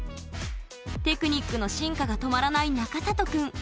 テクニックの進化が止まらない中里くん。